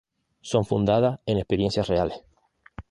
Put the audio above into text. Son fundadas en experiencias reales.